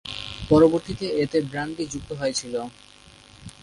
পরবর্তীতে এতে ব্র্যান্ডি যুক্ত হয়েছিল।